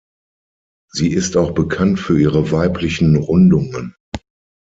Sie ist auch bekannt für ihre weiblichen Rundungen.